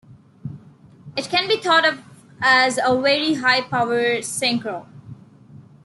It can be thought of as a very high power synchro.